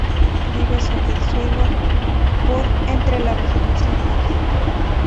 Vive sobre el suelo, por entre la vegetación baja.